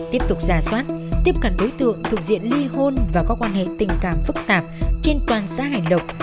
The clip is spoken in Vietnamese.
tiếp tục giả soát tiếp cận đối tượng thực hiện ly hôn và có quan hệ tình cảm phức tạp trên toàn xã hải lộc